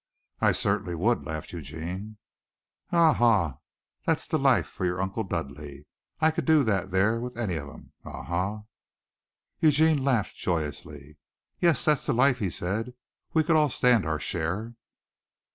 "I certainly would," laughed Eugene. "Aw! Haw! That's the life fer yer uncle Dudley. I could do that there with any of 'em. Aw! Haw!" Eugene laughed joyously. "Yes, that's the life," he said. "We all could stand our share."